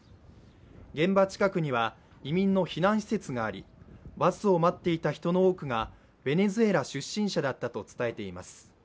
現場近くには移民の避難施設がありバスを待っていた人の多くがベネズエラ出身者だったと伝えています。